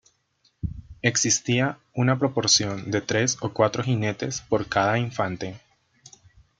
Existía una proporción de tres o cuatro jinetes por cada infante.